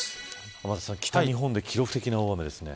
天達さん、北日本で記録的な大雨ですね。